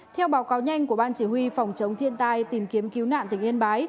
theo báo cáo nhanh của ban chỉ huy phòng chống thiên tai tìm kiếm cứu nạn tỉnh yên bái